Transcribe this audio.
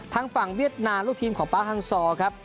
ทางฝั่งเวียดนามลูกทีมของป๊าฮังซอร์ครับ